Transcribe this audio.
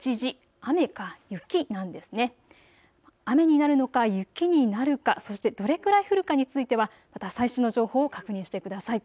雨になるのか雪になるかそしてどれくらい降るのかについてはまた最新の情報を確認してください。